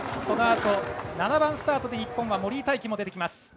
このあと７番スタートで日本は森井大輝も出てきます。